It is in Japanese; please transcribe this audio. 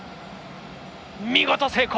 見事成功！